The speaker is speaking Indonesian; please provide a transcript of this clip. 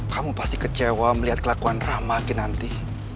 kamu pasti kecewa melihat kelakuan rahmah ke nanti